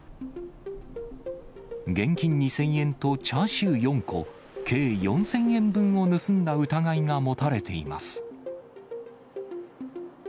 現金２０００円とチャーシュー４個、計４０００円分を盗んだ疑いが持たれています。